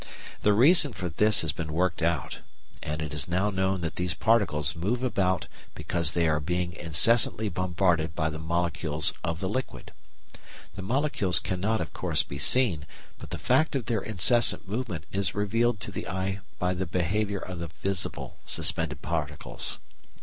The reason for this has been worked out, and it is now known that these particles move about because they are being incessantly bombarded by the molecules of the liquid. The molecules cannot, of course, be seen, but the fact of their incessant movement is revealed to the eye by the behaviour of the visible suspended particles.